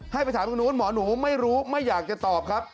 ให้ไปถามตรงนู้นหมอหนูไม่รู้ไม่อยากจะตอบครับ